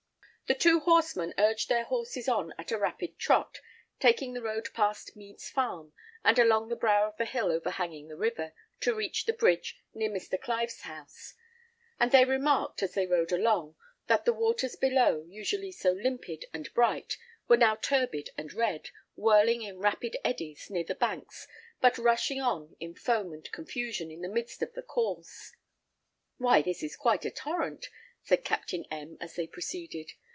The two horsemen urged their horses on at a rapid trot, taking the road past Mead's farm, and along the brow of the hill overhanging the river, to reach the bridge near Mr. Clive's house; and they remarked, as they rode along, that the waters below, usually so limpid and bright, were now turbid and red, whirling in rapid eddies, near the banks, but rushing on in foam and confusion, in the midst of the course. "Why this is quite a torrent," said Captain M , as they proceeded.